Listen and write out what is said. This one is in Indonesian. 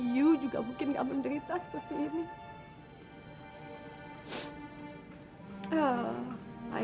yu juga mungkin gak menderita seperti ini